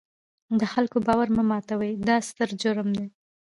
د خلکو باور مه ماتوئ، دا ستر جرم دی.